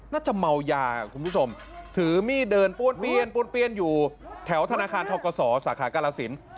น่าจะเมายาคุณผู้ชมถือมีดเดินป้วนเปี้ยนป้วนเปี้ยนอยู่แถวธนาคารทกศสาขากาลสิน